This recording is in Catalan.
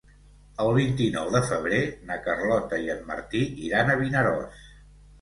El vint-i-nou de febrer na Carlota i en Martí iran a Vinaròs.